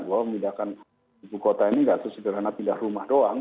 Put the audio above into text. bahwa memindahkan ibu kota ini tidak sesederhana pindah rumah doang